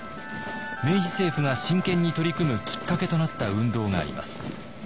明治政府が真剣に取り組むきっかけとなった運動があります。